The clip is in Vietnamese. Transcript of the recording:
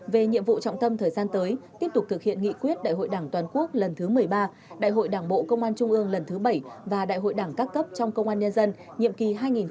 về nhiệm vụ trọng tâm thời gian tới tiếp tục thực hiện nghị quyết đại hội đảng toàn quốc lần thứ một mươi ba đại hội đảng bộ công an trung ương lần thứ bảy và đại hội đảng các cấp trong công an nhân dân nhiệm kỳ hai nghìn hai mươi hai nghìn hai mươi năm